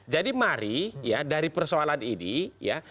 jadi mahari ya dari persoalan ini ya